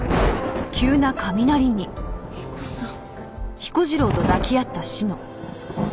彦さん。